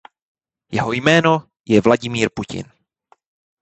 Jeho jméno je Vladimir Putin.